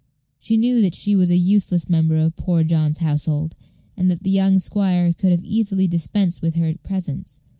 She knew that she was a useless member of Poor John's household, and that the young squire could have easily dispensed with her presence.